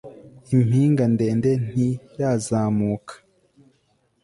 impinga ndende nti razamuka